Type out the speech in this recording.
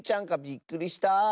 びっくりした。